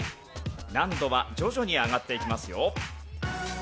難度は徐々に上がっていきますよ。